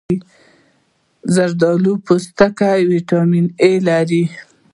زردالو په پوستکي کې ویټامین A لري.